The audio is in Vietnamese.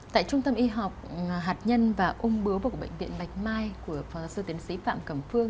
tại trung tâm y học hạt nhân và ung bướu của bệnh viện bạch mai của phó sư tiến sĩ phạm cẩm phương